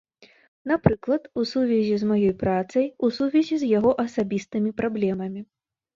Напрыклад, у сувязі з маёй працай, у сувязі з яго асабістымі праблемамі.